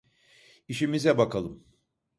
İşimize bakalım.